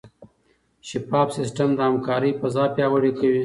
شفاف سیستم د همکارۍ فضا پیاوړې کوي.